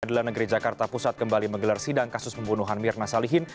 adalah negeri jakarta pusat kembali menggelar sidang kasus pembunuhan mirna salihin